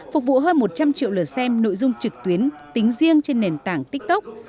phục vụ hơn một trăm linh triệu lời xem nội dung trực tuyến tính riêng trên nền tảng tiktok